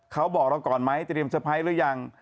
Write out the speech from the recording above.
เขาบอกเราก่อนไหมเตรียมเตอร์ไพรส์หรือยัง